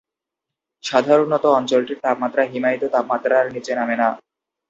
সাধারণত, অঞ্চলটির তাপমাত্রা হিমায়িত তাপমাত্রার নিচে নামে না।